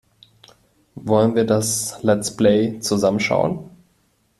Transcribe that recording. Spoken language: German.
Wollen wir das Let's Play zusammen schauen?